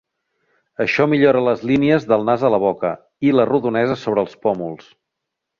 Això millora les línies del nas a la boca i la rodonesa sobre els pòmuls.